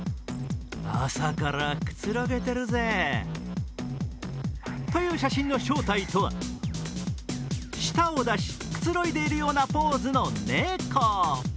朝からくつろげてるぜという写真の正体とは舌を出し、くつろいでいるようなポーズの猫。